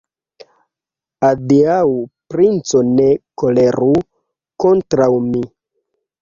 Adiaŭ, princo, ne koleru kontraŭ mi!